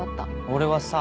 俺はさ